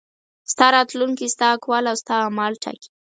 ستا راتلونکی ستا اقوال او ستا اعمال ټاکي.